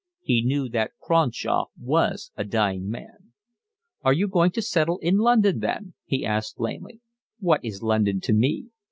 He knew that Cronshaw was a dying man. "Are you going to settle in London then?" he asked lamely. "What is London to me?